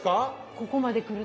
ここまで来ると。